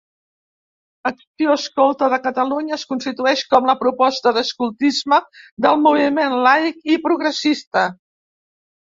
Acció Escolta de Catalunya es constitueix com la proposta d'escoltisme del Moviment Laic i Progressista.